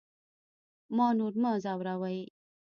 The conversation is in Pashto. ما نور مه ځوروئ